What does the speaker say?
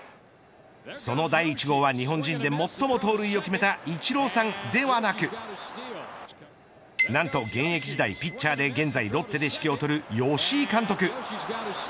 その第１号は日本人で最も盗塁を決めたイチローさんではなくなんと現役時代ピッチャーで現在ロッテで指揮をとる吉井監督。